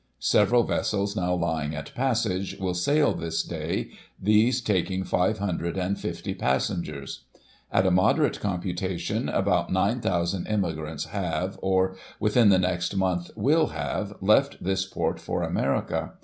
Several vessels, now lying at Passage, will sail this day, these taking five hundred and fifty passengers At a moderate computation, about 9,000 emigrants have, or, within the next month, will have, left this port for America.